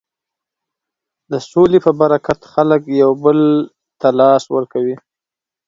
د سولې په برکت خلک یو بل ته لاس ورکوي.